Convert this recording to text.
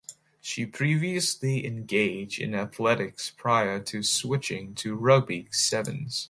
She previously engaged in athletics prior to switching to the rugby sevens.